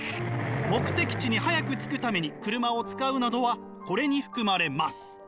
目的地に早く着くために車を使うなどはこれに含まれます。